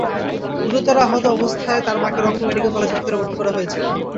গুরুতর আহত অবস্থায় তার মাকে রংপুর মেডিকেল কলেজ হাসপাতালে ভর্তি করা হয়েছে।